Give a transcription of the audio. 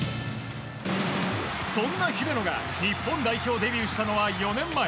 そんな姫野が日本代表デビューしたのは４年前。